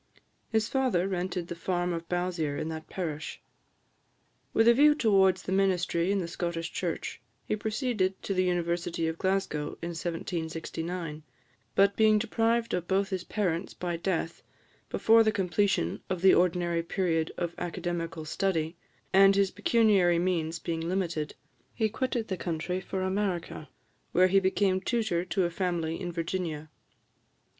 His father rented the farm of Balsier in that parish. With a view towards the ministry in the Scottish Church, he proceeded to the University of Glasgow in 1769; but being deprived of both his parents by death before the completion of the ordinary period of academical study, and his pecuniary means being limited, he quitted the country for America, where he became tutor to a family in Virginia.